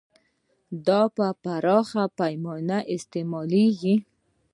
دا په پراخه پیمانه استعمالیږي.